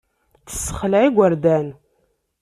Tessexleɛ igerdan.